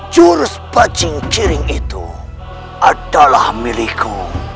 jurus bajing kiring itu adalah milikku